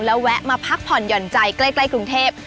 แล้วแวะมาพักผ่อนหย่อนใจใกล้กรุงเทพ